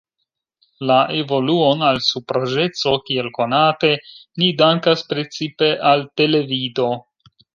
La evoluon al supraĵeco, kiel konate, ni dankas precipe al televido.